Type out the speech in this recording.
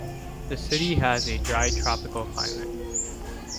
The city has a dry tropical climate.